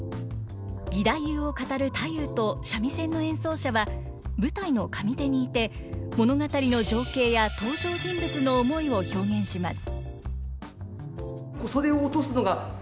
義太夫を語る太夫と三味線の演奏者は舞台の上手にいて物語の情景や登場人物の思いを表現します。